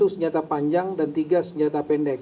satu senjata panjang dan tiga senjata pendek